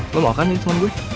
lo mau kan jadi temen gue